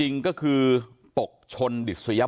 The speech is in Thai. ลองฟังเสียงช่วงนี้ดูค่ะ